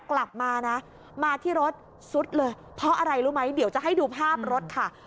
กลับมานะมาที่รถซุดเลยเพราะอะไรรู้ไหมเดี๋ยวจะให้ดูภาพรถค่ะ